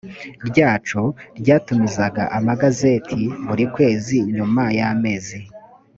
ryacu ryatumizaga amagazeti buri kwezi nyuma y amezi